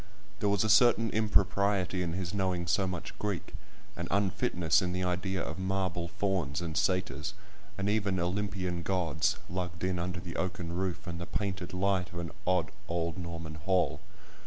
There was a certain impropriety in his knowing so much Greek—an unfitness in the idea of marble fauns, and satyrs, and even Olympian gods, lugged in under the oaken roof and the painted light of an odd, old Norman hall.